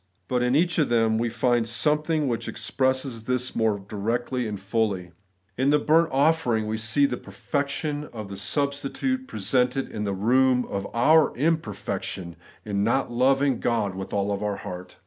But in each of them we find some thing which expresses this more directly and fully. 20 The Everlasting Righteousness, In the lumt offering we see the perfection of the substitute presented in the room of our imperfection, in not loving God with all our heart.